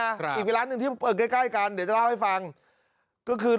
อีกไปร้านหนึ่งที่เปิดใกล้ใกล้กันเดี๋ยวจะเล่าให้ฟังก็คือ